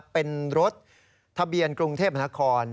เป็นรถทะเบียนกรุงเทพมหานคร